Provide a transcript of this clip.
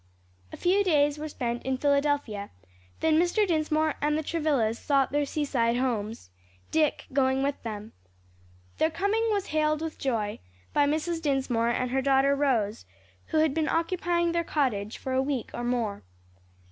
A few days were spent in Philadelphia, then Mr. Dinsmore and the Travillas sought their seaside homes, Dick going with them. Their coming was hailed with joy by Mrs. Dinsmore and her daughter Rose, who had been occupying their cottage for a week or more.